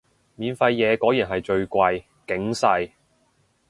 免費嘢果然係最貴，警世